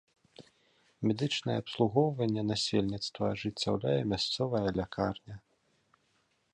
Медычнае абслугоўванне насельніцтва ажыццяўляе мясцовая лякарня.